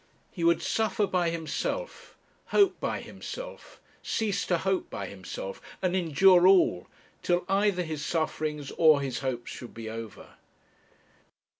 He would suffer by himself; hope by himself, cease to hope by himself, and endure all, till either his sufferings or his hopes should be over.